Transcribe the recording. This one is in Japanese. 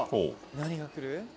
「何がくる？」